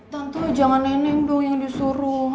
tentu jangan neneng dong yang disuruh